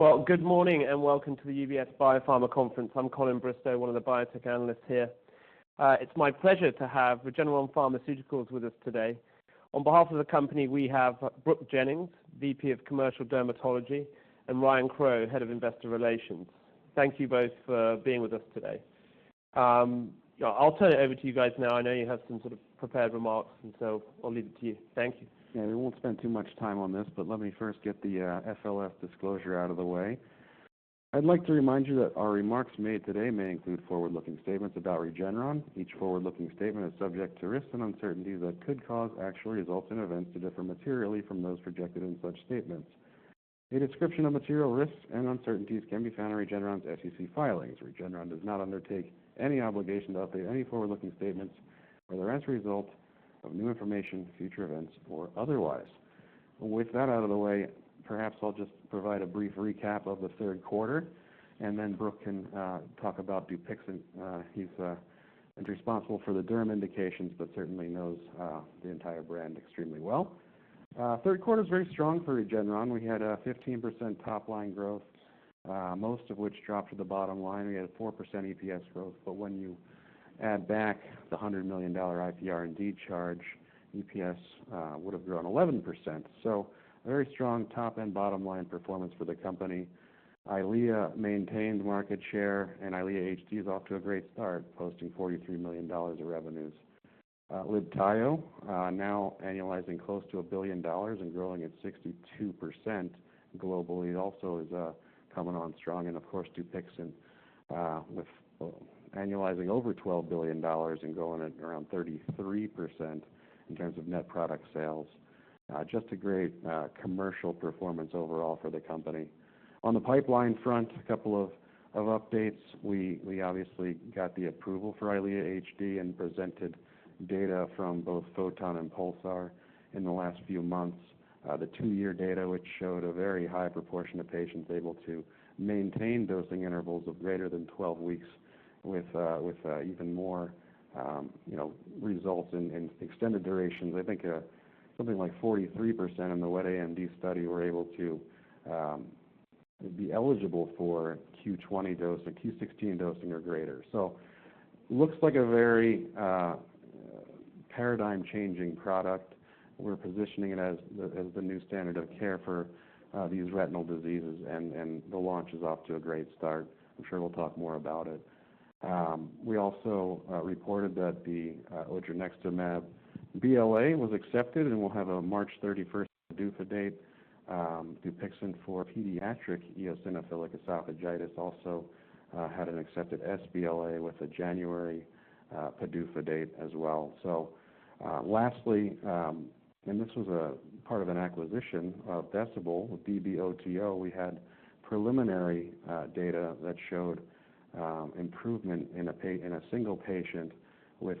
Well, good morning, and welcome to the UBS Biopharma Conference. I'm Colin Bristow, one of the biotech analysts here. It's my pleasure to have Regeneron Pharmaceuticals with us today. On behalf of the company, we have Brook Jennings, VP of Commercial Dermatology, and Ryan Crowe, Head of Investor Relations. Thank you both for being with us today. I'll turn it over to you guys now. I know you have some sort of prepared remarks, and so I'll leave it to you. Thank you. Yeah, we won't spend too much time on this, but let me first get the FLS disclosure out of the way. I'd like to remind you that our remarks made today may include forward-looking statements about Regeneron. Each forward-looking statement is subject to risks and uncertainties that could cause actual results and events to differ materially from those projected in such statements. A description of material risks and uncertainties can be found in Regeneron's SEC filings. Regeneron does not undertake any obligation to update any forward-looking statements whether as a result of new information, future events, or otherwise. With that out of the way, perhaps I'll just provide a brief recap of the third quarter, and then Brook can talk about Dupixent. He's responsible for the derm indications, but certainly knows the entire brand extremely well. Third quarter is very strong for Regeneron. We had a 15% top-line growth, most of which dropped to the bottom line. We had a 4% EPS growth, but when you add back the $100 million IPR&D charge, EPS would have grown 11%. So a very strong top and bottom line performance for the company. EYLEA maintained market share, and EYLEA HD is off to a great start, posting $43 million of revenues. Libtayo now annualizing close to $1 billion and growing at 62% globally, also is coming on strong. And of course, Dupixent with annualizing over $12 billion and growing at around 33% in terms of net product sales. Just a great commercial performance overall for the company. On the pipeline front, a couple of updates. We obviously got the approval for EYLEA HD and presented data from both Photon and Pulsar in the last few months. The two-year data, which showed a very high proportion of patients able to maintain dosing intervals of greater than 12 weeks, with even more, you know, results in extended durations. I think something like 43% in the wet AMD study were able to be eligible for Q20 dosing, Q16 dosing or greater. So looks like a very paradigm-changing product. We're positioning it as the new standard of care for these retinal diseases, and the launch is off to a great start. I'm sure we'll talk more about it. We also reported that the odronextamab BLA was accepted and will have a March 31 PDUFA date. Dupixent for pediatric eosinophilic esophagitis also had an accepted sBLA with a January PDUFA date as well. So, lastly, and this was a part of an acquisition of Decibel, DB-OTO. We had preliminary data that showed improvement in a single patient with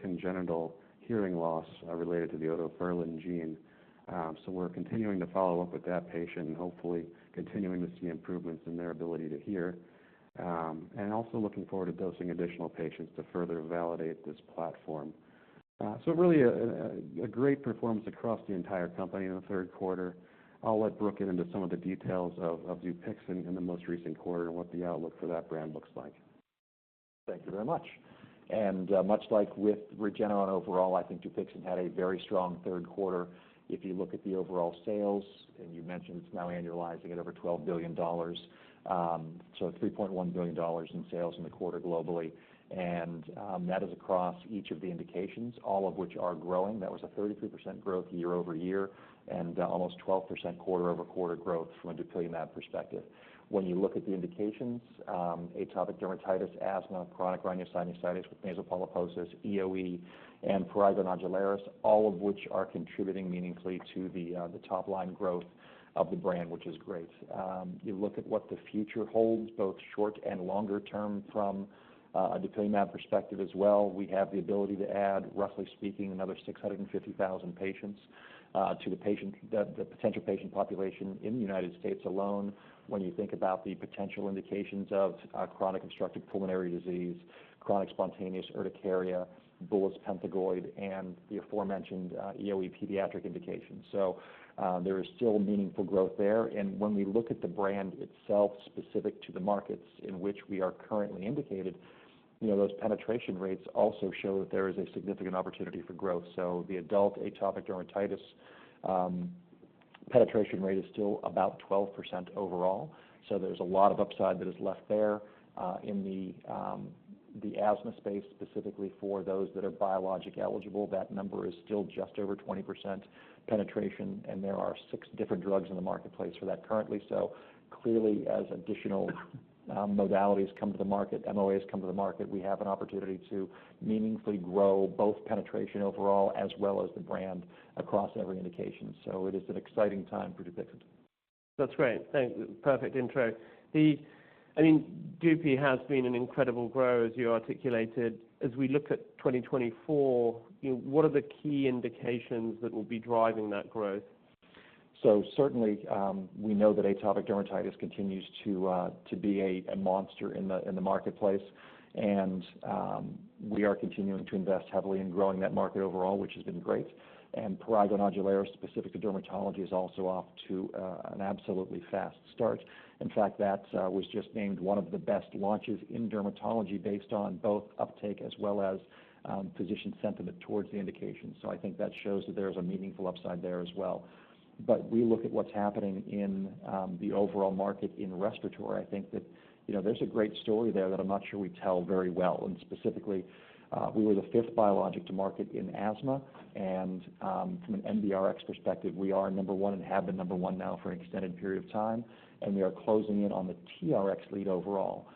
congenital hearing loss related to the otoferlin gene. So we're continuing to follow up with that patient and hopefully continuing to see improvements in their ability to hear. And also looking forward to dosing additional patients to further validate this platform. So really a great performance across the entire company in the third quarter. I'll let Brook get into some of the details of Dupixent in the most recent quarter and what the outlook for that brand looks like. Thank you very much. And, much like with Regeneron overall, I think Dupixent had a very strong third quarter. If you look at the overall sales, and you mentioned it's now annualizing at over $12 billion, so $3.1 billion in sales in the quarter globally. And, that is across each of the indications, all of which are growing. That was a 33% growth year-over-year and, almost 12% quarter-over-quarter growth from a dupilumab perspective. When you look at the indications, atopic dermatitis, asthma, chronic rhinosinusitis with nasal polyposis, EoE, and prurigo nodularis, all of which are contributing meaningfully to the top-line growth of the brand, which is great. You look at what the future holds, both short and longer term, from a dupilumab perspective as well. We have the ability to add, roughly speaking, another 650,000 patients to the potential patient population in the United States alone. When you think about the potential indications of chronic obstructive pulmonary disease, chronic spontaneous urticaria, bullous pemphigoid, and the aforementioned EoE pediatric indication. So there is still meaningful growth there. And when we look at the brand itself, specific to the markets in which we are currently indicated, you know, those penetration rates also show that there is a significant opportunity for growth. So the adult atopic dermatitis penetration rate is still about 12% overall, so there's a lot of upside that is left there. In the asthma space, specifically for those that are biologic-eligible, that number is still just over 20% penetration, and there are six different drugs in the marketplace for that currently. So clearly, as additional modalities come to the market, MOAs come to the market, we have an opportunity to meaningfully grow both penetration overall as well as the brand across every indication. So it is an exciting time for Dupixent. That's great. Thank you. Perfect intro. I mean, Dupi has been an incredible growth as you articulated. As we look at 2024, you know, what are the key indications that will be driving that growth? ... So certainly, we know that atopic dermatitis continues to be a monster in the marketplace. And we are continuing to invest heavily in growing that market overall, which has been great. And prurigo nodularis, specific to dermatology, is also off to an absolutely fast start. In fact, that was just named one of the best launches in dermatology based on both uptake as well as physician sentiment towards the indication. So I think that shows that there's a meaningful upside there as well. But we look at what's happening in the overall market in respiratory. I think that, you know, there's a great story there that I'm not sure we tell very well. And specifically, we were the fifth biologic to market in asthma. From an NBRx perspective, we are number one and have been number one now for an extended period of time, and we are closing in on the TRx lead overall.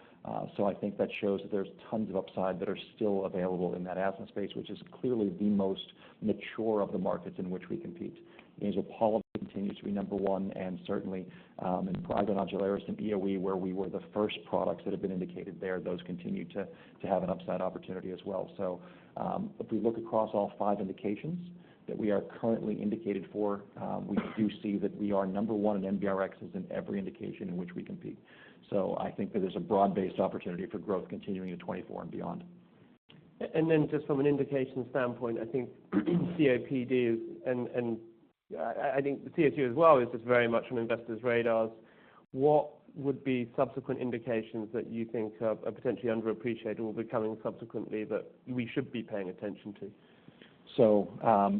So I think that shows that there's tons of upside that are still available in that asthma space, which is clearly the most mature of the markets in which we compete. Dupixent continues to be number one, and certainly in prurigo nodularis and EoE, where we were the first products that have been indicated there, those continue to have an upside opportunity as well. So if we look across all five indications that we are currently indicated for, we do see that we are number one in NBRxs in every indication in which we compete. So I think that there's a broad-based opportunity for growth continuing to 2024 and beyond. And then just from an indication standpoint, I think COPD is, and I think the CSU as well, is just very much on investors' radars. What would be subsequent indications that you think are potentially underappreciated or will be coming subsequently that we should be paying attention to?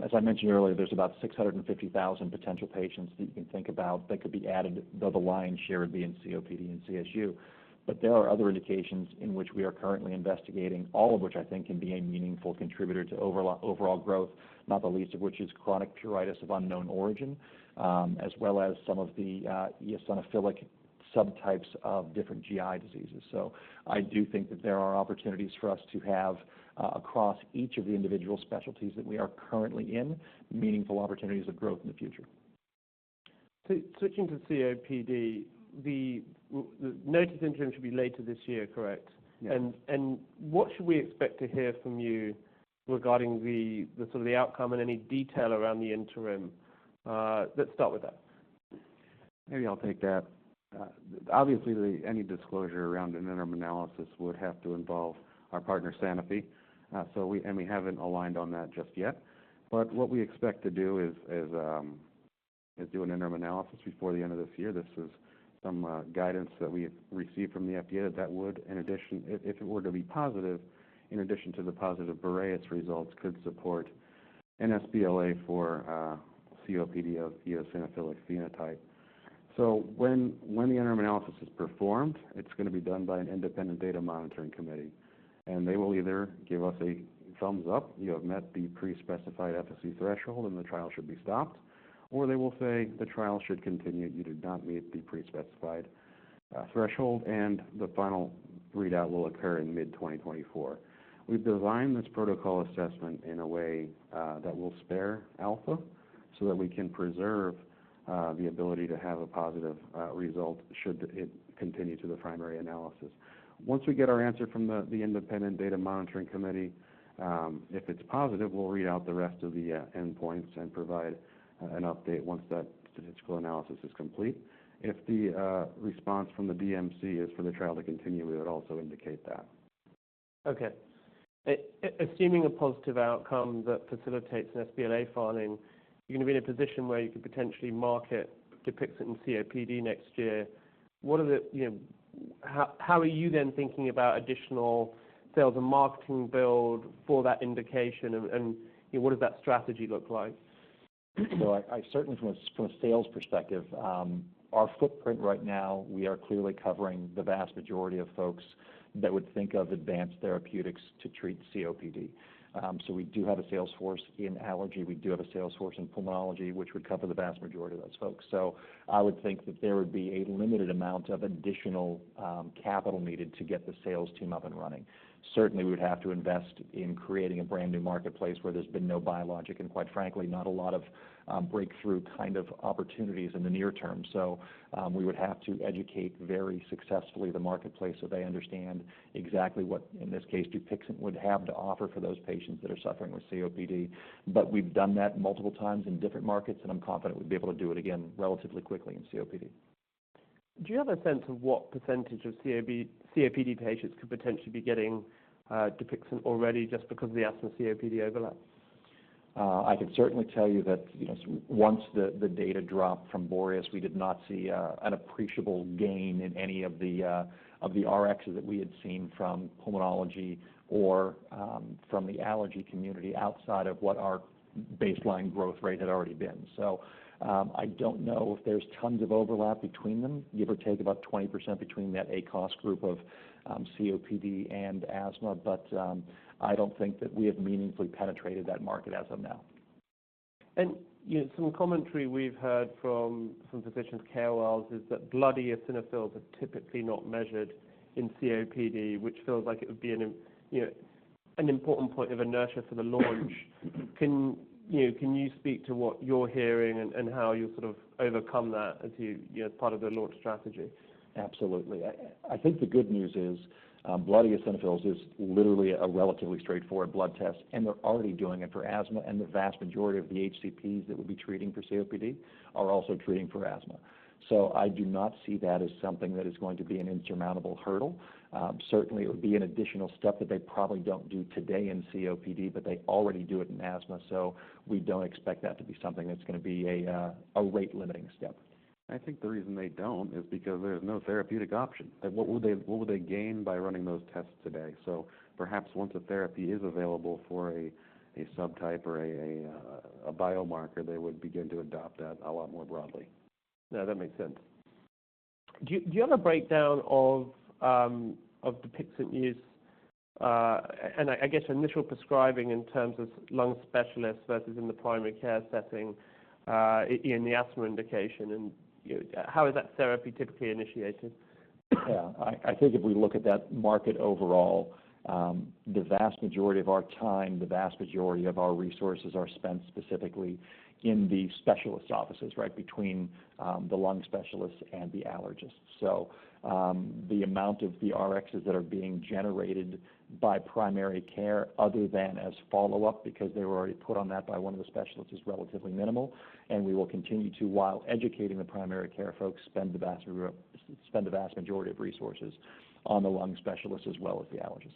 As I mentioned earlier, there's about 650,000 potential patients that you can think about that could be added, though the lion's share would be in COPD and CSU. But there are other indications in which we are currently investigating, all of which I think can be a meaningful contributor to overall growth, not the least of which is chronic pruritus of unknown origin, as well as some of the eosinophilic subtypes of different GI diseases. I do think that there are opportunities for us to have, across each of the individual specialties that we are currently in, meaningful opportunities of growth in the future. So switching to COPD, the Notus interim should be later this year, correct? Yes. What should we expect to hear from you regarding the sort of outcome and any detail around the interim? Let's start with that. Maybe I'll take that. Obviously, any disclosure around an interim analysis would have to involve our partner, Sanofi. So we and we haven't aligned on that just yet. But what we expect to do is do an interim analysis before the end of this year. This is some guidance that we have received from the FDA, that would, in addition, if it were to be positive, in addition to the positive Boreas results, could support an sBLA for COPD of eosinophilic phenotype. So when the interim analysis is performed, it's gonna be done by an independent data monitoring committee, and they will either give us a thumbs up, you have met the pre-specified efficacy threshold, and the trial should be stopped, or they will say the trial should continue. You did not meet the pre-specified threshold, and the final readout will occur in mid-2024. We've designed this protocol assessment in a way that will spare alpha, so that we can preserve the ability to have a positive result, should it continue to the primary analysis. Once we get our answer from the independent data monitoring committee, if it's positive, we'll read out the rest of the endpoints and provide an update once that statistical analysis is complete. If the response from the DMC is for the trial to continue, we would also indicate that. Okay. Assuming a positive outcome that facilitates an sBLA filing, you're gonna be in a position where you could potentially market Dupixent in COPD next year. What are the, you know... How are you then thinking about additional sales and marketing build for that indication, and, and, you know, what does that strategy look like? So I certainly from a sales perspective, our footprint right now, we are clearly covering the vast majority of folks that would think of advanced therapeutics to treat COPD. So we do have a sales force in allergy. We do have a sales force in pulmonology, which would cover the vast majority of those folks. So I would think that there would be a limited amount of additional capital needed to get the sales team up and running. Certainly, we would have to invest in creating a brand new marketplace where there's been no biologic and, quite frankly, not a lot of breakthrough kind of opportunities in the near term. So we would have to educate very successfully the marketplace so they understand exactly what, in this case, DUPIXENT would have to offer for those patients that are suffering with COPD. But we've done that multiple times in different markets, and I'm confident we'd be able to do it again relatively quickly in COPD. Do you have a sense of what percentage of ACOS-COPD patients could potentially be getting Dupixent already just because of the asthma COPD overlap? I can certainly tell you that, you know, once the data dropped from Boreas, we did not see an appreciable gain in any of the Rxs that we had seen from pulmonology or from the allergy community outside of what our baseline growth rate had already been. So, I don't know if there's tons of overlap between them, give or take about 20% between that ACOS group of COPD and asthma, but I don't think that we have meaningfully penetrated that market as of now. You know, some commentary we've heard from physicians, KOLs, is that blood eosinophils are typically not measured in COPD, which feels like it would be an important point of inertia for the launch. Can, you know, can you speak to what you're hearing and how you sort of overcome that as you, you know, as part of the launch strategy? Absolutely. I think the good news is, blood eosinophils is literally a relatively straightforward blood test, and they're already doing it for asthma, and the vast majority of the HCPs that would be treating for COPD are also treating for asthma. So I do not see that as something that is going to be an insurmountable hurdle. Certainly, it would be an additional step that they probably don't do today in COPD, but they already do it in asthma, so we don't expect that to be something that's gonna be a rate-limiting step. I think the reason they don't is because there's no therapeutic option. Like, what would they gain by running those tests today? So perhaps once a therapy is available for a subtype or a biomarker, they would begin to adopt that a lot more broadly. Yeah, that makes sense. Do you have a breakdown of Dupixent use, and I guess initial prescribing in terms of lung specialists versus in the primary care setting, in the asthma indication, and, you know, how is that therapy typically initiated? Yeah. I think if we look at that market overall, the vast majority of our time, the vast majority of our resources are spent specifically in the specialist offices, right between the lung specialists and the allergists. So, the amount of the Rxs that are being generated by primary care other than as follow-up, because they were already put on that by one of the specialists, is relatively minimal, and we will continue to, while educating the primary care folks, spend the vast majority of resources on the lung specialists as well as the allergists.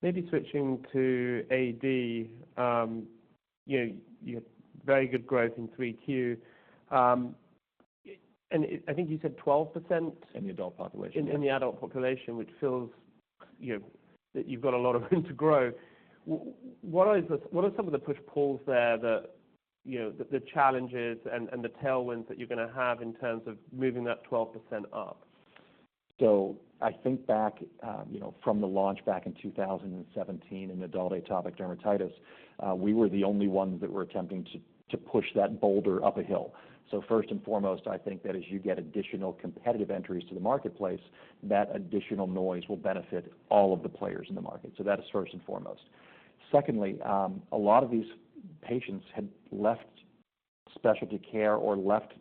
Maybe switching to AD. You know, you had very good growth in 3Q. And I think you said 12%? In the adult population. In the adult population, which feels, you know, that you've got a lot of room to grow. What are some of the push-pulls there that, you know, the challenges and the tailwinds that you're gonna have in terms of moving that 12% up? So I think back, you know, from the launch back in 2017 in adult atopic dermatitis, we were the only ones that were attempting to, to push that boulder up a hill. So first and foremost, I think that as you get additional competitive entries to the marketplace, that additional noise will benefit all of the players in the market. So that is first and foremost. Secondly, a lot of these patients had left specialty care or left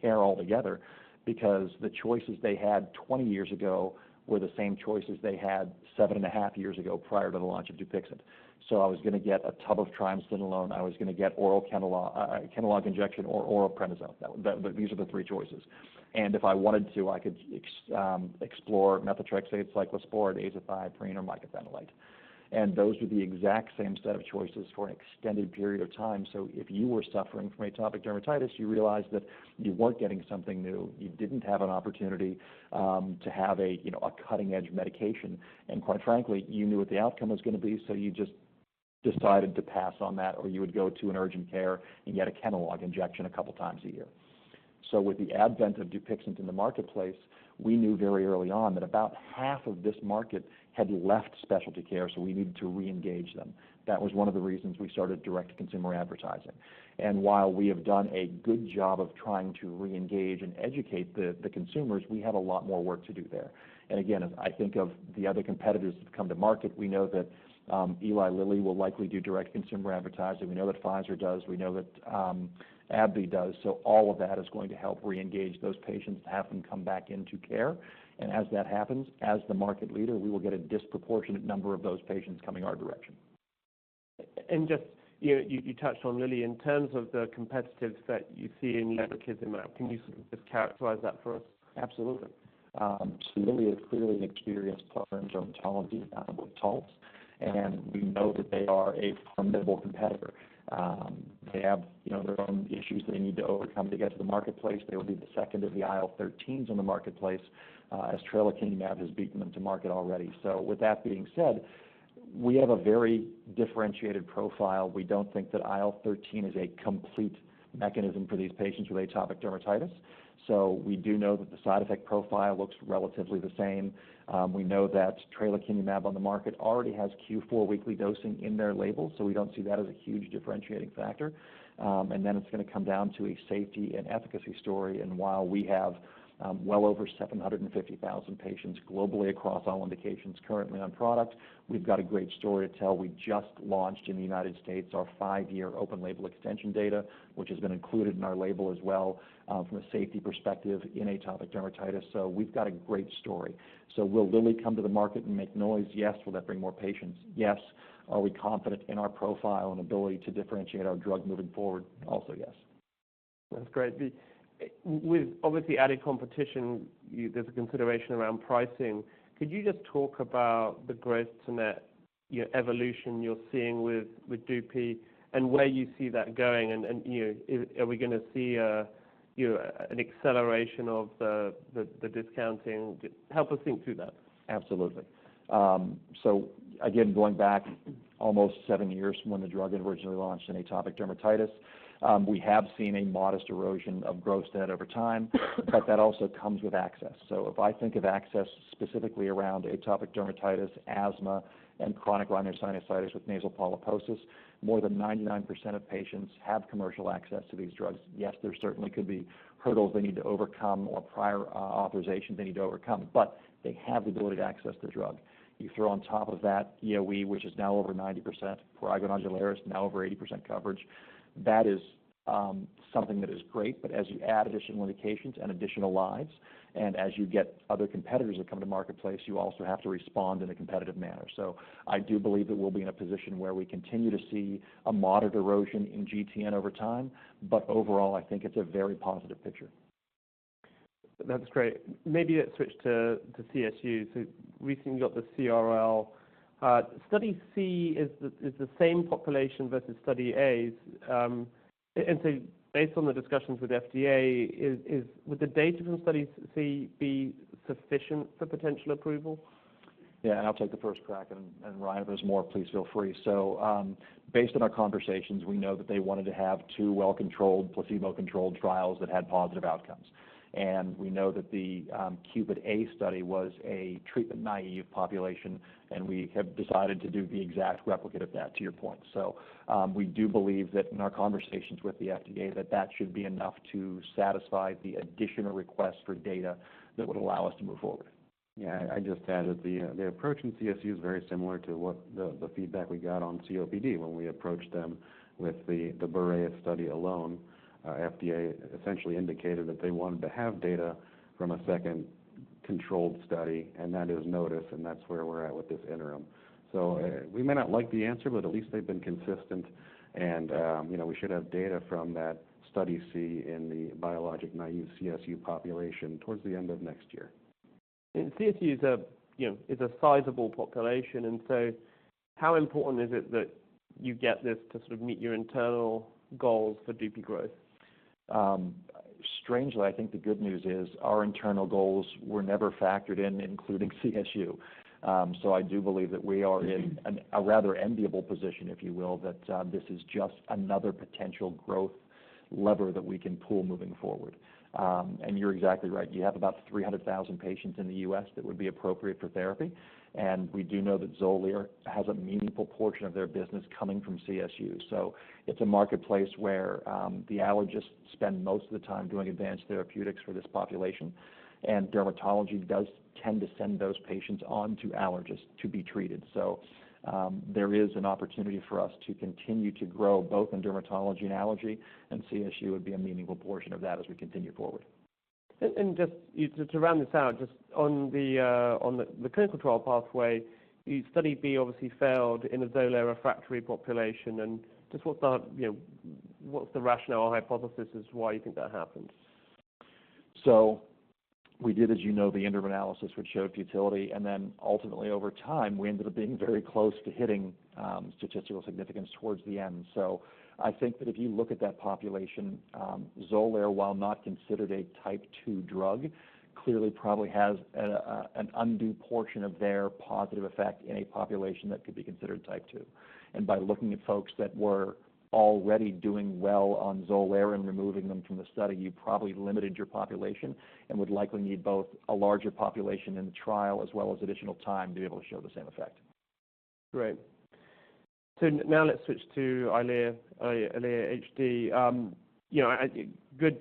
care altogether because the choices they had 20 years ago were the same choices they had 7.5 years ago, prior to the launch of Dupixent. So I was gonna get a tub of triamcinolone, I was gonna get oral Kenalog, Kenalog injection or oral prednisone. That, these are the three choices. If I wanted to, I could explore methotrexate, cyclosporine, azathioprine, or mycophenolate. Those were the exact same set of choices for an extended period of time. So if you were suffering from atopic dermatitis, you realized that you weren't getting something new, you didn't have an opportunity to have a, you know, a cutting-edge medication. And quite frankly, you knew what the outcome was gonna be, so you just decided to pass on that, or you would go to an urgent care and get a Kenalog injection a couple times a year. So with the advent of Dupixent in the marketplace, we knew very early on that about half of this market had left specialty care, so we needed to reengage them. That was one of the reasons we started direct consumer advertising. While we have done a good job of trying to reengage and educate the consumers, we have a lot more work to do there. And again, as I think of the other competitors that have come to market, we know that Eli Lilly will likely do direct consumer advertising. We know that Pfizer does. We know that AbbVie does. So all of that is going to help reengage those patients and have them come back into care. And as that happens, as the market leader, we will get a disproportionate number of those patients coming our direction. And just, you know, you touched on Lilly. In terms of the competitors that you see in lebrikizumab, can you sort of just characterize that for us? Absolutely. So, Lilly is clearly an experienced partner in dermatology with Taltz, and we know that they are a formidable competitor. They have, you know, their own issues they need to overcome to get to the marketplace. They will be the second of the IL-13s And then it's gonna come down to a safety and efficacy story, and while we have, well over 750,000 patients globally across all indications currently on product, we've got a great story to tell. We just launched in the United States, our five-year open label extension data, which has been included in our label as well, from a safety perspective in atopic dermatitis. So we've got a great story. So will Lilly come to the market and make noise? Yes. Will that bring more patients? Yes. Are we confident in our profile and ability to differentiate our drug moving forward? Also, yes. That's great. But with obviously added competition, there's a consideration around pricing. Could you just talk about the gross net, you know, evolution you're seeing with Dupi, and where you see that going, and you know, are we gonna see a you know, an acceleration of the discounting? Help us think through that. Absolutely. So again, going back almost seven years from when the drug originally launched in atopic dermatitis, we have seen a modest erosion of gross-to-net over time, but that also comes with access. So if I think of access specifically around atopic dermatitis, asthma, and chronic rhinosinusitis with nasal polyposis, more than 99% of patients have commercial access to these drugs. Yes, there certainly could be hurdles they need to overcome or prior authorization they need to overcome, but they have the ability to access the drug. You throw on top of that, EOE, which is now over 90%, for eosinophilic esophagitis, now over 80% coverage. That is something that is great, but as you add additional indications and additional lives, and as you get other competitors that come to marketplace, you also have to respond in a competitive manner. I do believe that we'll be in a position where we continue to see a moderate erosion in GTN over time, but overall, I think it's a very positive picture.... That's great. Maybe let's switch to CSU. So recently, you got the CRL. Study C is the same population versus study A. And so based on the discussions with FDA, would the data from study C be sufficient for potential approval? Yeah, I'll take the first crack, and, and Ryan, if there's more, please feel free. So, based on our conversations, we know that they wanted to have two well-controlled, placebo-controlled trials that had positive outcomes. And we know that the CUPID-A study was a treatment-naive population, and we have decided to do the exact replicate of that, to your point. So, we do believe that in our conversations with the FDA, that that should be enough to satisfy the additional request for data that would allow us to move forward. Yeah, I'd just add that the approach in CSU is very similar to what the feedback we got on COPD when we approached them with the Boreas study alone. FDA essentially indicated that they wanted to have data from a second controlled study, and that is Notus, and that's where we're at with this interim. So we may not like the answer, but at least they've been consistent. You know, we should have data from that study C in the biologic-naive CSU population towards the end of next year. And CSU is, you know, a sizable population, and so how important is it that you get this to sort of meet your internal goals for DP growth? Strangely, I think the good news is our internal goals were never factored in, including CSU. So I do believe that we are in a rather enviable position, if you will, that this is just another potential growth lever that we can pull moving forward. You're exactly right. You have about 300,000 patients in the U.S. that would be appropriate for therapy, and we do know that Xolair has a meaningful portion of their business coming from CSU. So it's a marketplace where the allergists spend most of the time doing advanced therapeutics for this population, and dermatology does tend to send those patients on to allergists to be treated. So there is an opportunity for us to continue to grow both in dermatology and allergy, and CSU would be a meaningful portion of that as we continue forward. And just to round this out, just on the clinical trial pathway, Study B obviously failed in a Xolair refractory population. And just what's the, you know, what's the rationale or hypothesis as why you think that happened? So we did, as you know, the interim analysis, which showed futility, and then ultimately, over time, we ended up being very close to hitting statistical significance towards the end. So I think that if you look at that population, Xolair, while not considered a Type 2 drug, clearly probably has a an undue portion of their positive effect in a population that could be considered Type 2. And by looking at folks that were already doing well on Xolair and removing them from the study, you probably limited your population and would likely need both a larger population in the trial, as well as additional time to be able to show the same effect. Great. So now let's switch to EYLEA, EYLEA HD. You know, good.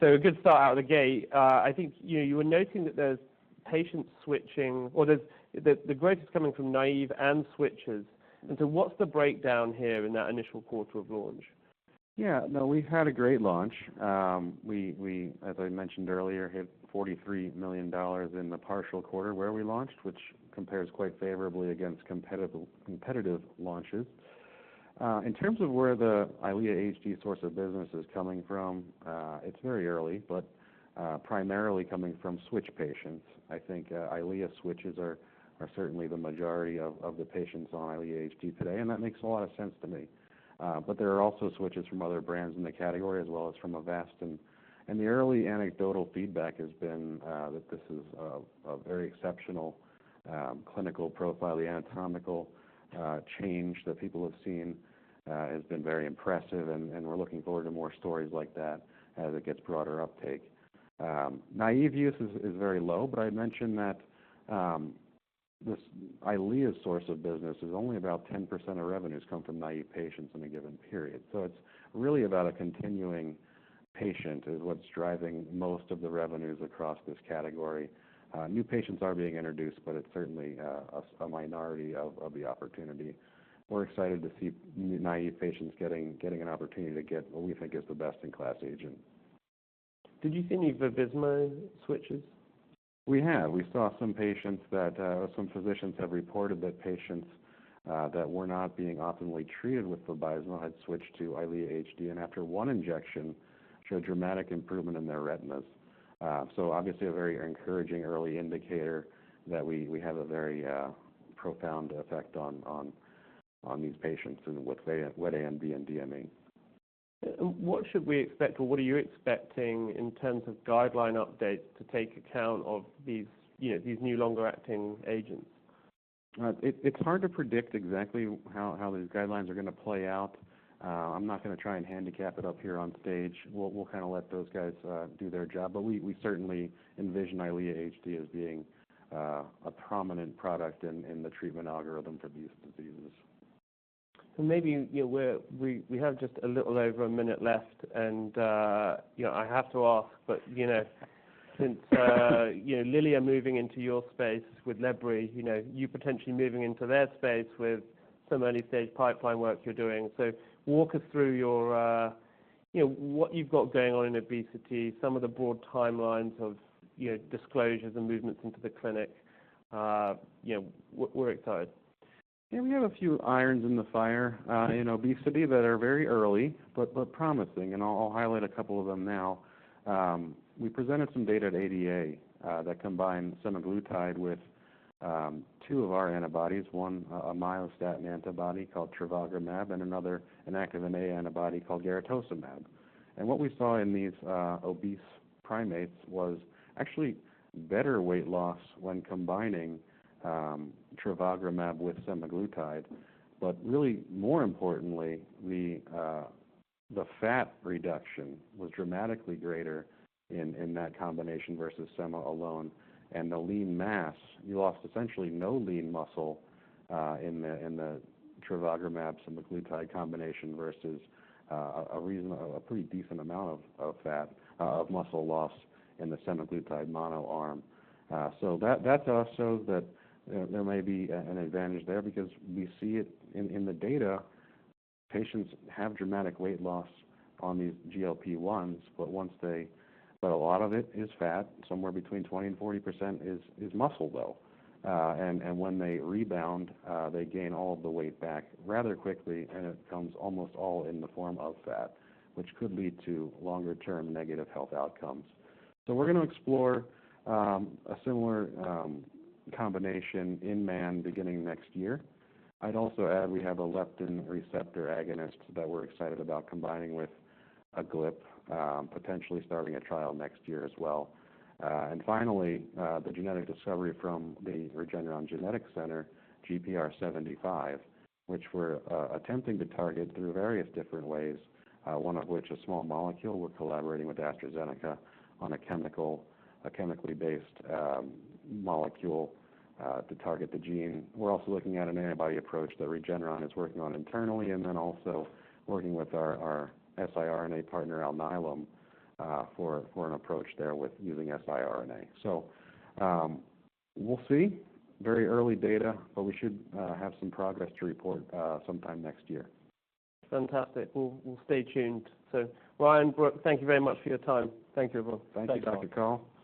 So a good start out of the gate. I think, you know, you were noting that there's patients switching or there's... that the growth is coming from naive and switchers. And so what's the breakdown here in that initial quarter of launch? Yeah, no, we've had a great launch. We as I mentioned earlier, hit $43 million in the partial quarter where we launched, which compares quite favorably against competitive launches. In terms of where the EYLEA HD source of business is coming from, it's very early, but primarily coming from switch patients. I think EYLEA switches are certainly the majority of the patients on EYLEA HD today, and that makes a lot of sense to me. But there are also switches from other brands in the category, as well as from Avastin. And the early anecdotal feedback has been that this is a very exceptional clinical profile. The anatomical change that people have seen has been very impressive, and we're looking forward to more stories like that as it gets broader uptake. Naive use is very low, but I mentioned that this EYLEA source of business is only about 10% of revenues come from naive patients in a given period. So it's really about a continuing patient is what's driving most of the revenues across this category. New patients are being introduced, but it's certainly a minority of the opportunity. We're excited to see naive patients getting an opportunity to get what we think is the best-in-class agent. Did you see any Vabysmo switches? We have. We saw some patients that, some physicians have reported that patients, that were not being optimally treated with Vabysmo had switched to EYLEA HD, and after one injection, showed dramatic improvement in their retinas. So obviously a very encouraging early indicator that we, we have a very, profound effect on, on, on these patients and what they have, wet AMD and DME. What should we expect, or what are you expecting in terms of guideline updates to take account of these, you know, these new longer-acting agents? It's hard to predict exactly how these guidelines are going to play out. I'm not going to try and handicap it up here on stage. We'll kind of let those guys do their job, but we certainly envision EYLEA HD as being a prominent product in the treatment algorithm for these diseases. So maybe, you know, we have just a little over a minute left, and, you know, I have to ask, but, you know, since, you know, Lilly are moving into your space with lebrikizumab, you know, you potentially moving into their space with some early-stage pipeline work you're doing. So walk us through your, you know, what you've got going on in obesity, some of the broad timelines of, you know, disclosures and movements into the clinic. You know, we're excited. ... And we have a few irons in the fire in obesity that are very early, but promising, and I'll highlight a couple of them now. We presented some data at ADA that combined semaglutide with two of our antibodies, one, a myostatin antibody called trevogrumab, and another, an activin A antibody called garetosmab. And what we saw in these obese primates was actually better weight loss when combining trevogrumab with semaglutide. But really more importantly, the fat reduction was dramatically greater in that combination versus sema alone. And the lean mass, you lost essentially no lean muscle in the trevogrumab, semaglutide combination versus a reasonable-- a pretty decent amount of fat, of muscle loss in the semaglutide mono arm. So that to us shows that there may be an advantage there because we see it in the data. Patients have dramatic weight loss on these GLP-1s, but once they... But a lot of it is fat. Somewhere between 20% and 40% is muscle, though. And when they rebound, they gain all of the weight back rather quickly, and it comes almost all in the form of fat, which could lead to longer-term negative health outcomes. So we're going to explore a similar combination in man beginning next year. I'd also add, we have a leptin receptor agonist that we're excited about combining with a GLP, potentially starting a trial next year as well. And finally, the genetic discovery from the Regeneron Genetics Center, GPR75, which we're attempting to target through various different ways, one of which, a small molecule. We're collaborating with AstraZeneca on a chemically-based molecule to target the gene. We're also looking at an antibody approach that Regeneron is working on internally, and then also working with our siRNA partner, Alnylam, for an approach there with using siRNA. So, we'll see. Very early data, but we should have some progress to report sometime next year. Fantastic. We'll stay tuned. So, Ryan, Brook, thank you very much for your time. Thank you both. Thank you, Dr. Colin.